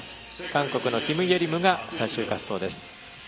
韓国のキム・イェリムが最終滑走です。